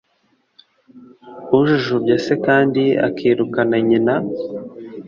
Ujujubya se kandi akirukana nyina